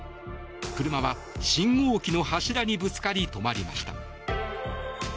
車は信号機の柱にぶつかり止まりました。